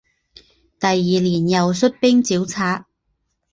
第二年又率兵剿贼。